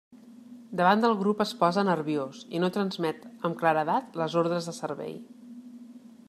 Davant del grup es posa nerviós i no transmet amb claredat les ordres de servei.